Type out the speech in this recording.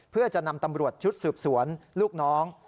เพื่อจะนำตำรวจชุดสืบสวนลูกน้อง